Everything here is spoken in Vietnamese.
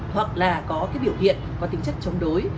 hoặc là có cái biểu hiện có tính chất chống đối